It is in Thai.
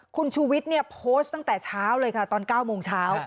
คุณชูวิทย์เนี่ยโพสต์ตั้งแต่เช้าเลยค่ะตอน๙โมงเช้า